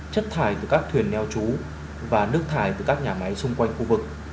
chất thải từ các thuyền neo trú và nước thải từ các nhà máy xung quanh khu vực